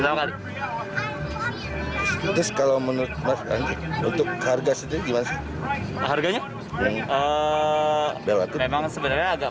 to france kalo menuntutkan untuk harga dari bank harganya memang sebenarnya agak